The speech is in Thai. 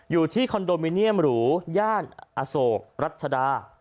คอนโดมิเนียมหรูย่านอโศกรัชดา